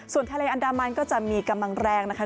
ส่วนทะเลอันดามันก็จะมีกำลังแรงนะคะ